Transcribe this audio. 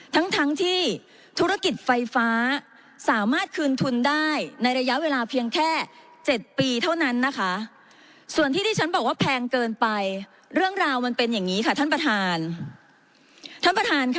ทั้งทั้งที่ธุรกิจไฟฟ้าสามารถคืนทุนได้ในระยะเวลาเพียงแค่๗ปีเท่านั้นนะคะส่วนที่ที่ฉันบอกว่าแพงเกินไปเรื่องราวมันเป็นอย่างนี้ค่ะท่านประธานท่านประธานค่ะ